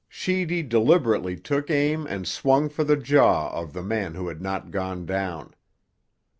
Sheedy deliberately took aim and swung for the jaw of the man who had not gone down.